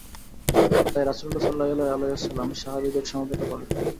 তাই রাসূলুল্লাহ সাল্লাল্লাহু আলাইহি ওয়াসাল্লাম সাহাবীদের সমবেত করলেন।